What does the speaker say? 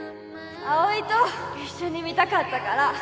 葵と一緒に見たかったから。